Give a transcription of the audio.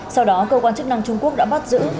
sau đó cơ quan chức năng trung quốc đã bắt giữ